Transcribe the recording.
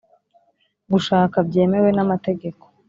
gushaka byemewe n’amategeko;